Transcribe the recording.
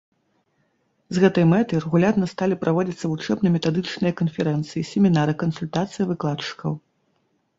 З гэтай мэтай рэгулярна сталі праводзіцца вучэбна-метадычныя канферэнцыі, семінары, кансультацыі выкладчыкаў.